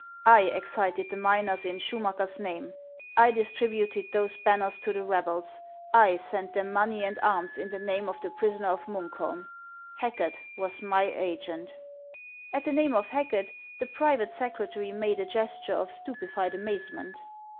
I excited the miners in Schumacker's 448 HANS OF ICELAND. name ; I distributed those banners to the rebels : I sent them money and arms in the name of the prisoner of Munkholm. Hacket was my agent." At the name of Hacket, the private secretary made a gesture of stupefied amazement.